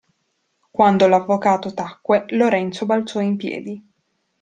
Quando l'avvocato tacque, Lorenzo balzò in piedi.